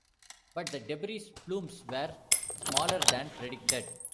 But the debris plumes were smaller than predicted.